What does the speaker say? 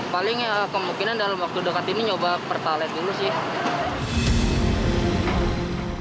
paling kemungkinan dalam waktu dekat ini nyoba pertalite dulu sih